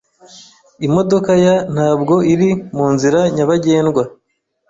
Imodoka ya ntabwo iri munzira nyabagendwa.